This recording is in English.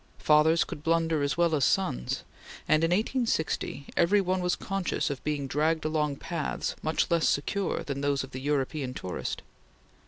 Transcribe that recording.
Fathers could blunder as well as sons, and, in 1860, every one was conscious of being dragged along paths much less secure than those of the European tourist.